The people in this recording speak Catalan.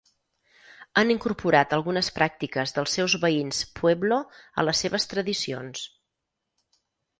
Han incorporat algunes pràctiques dels seus veïns Pueblo a les seves tradicions.